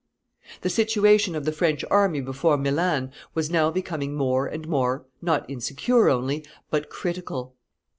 ] The situation of the French army before Milan was now becoming more and more, not insecure only, but critical.